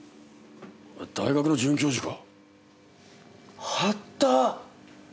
大学の准教授か。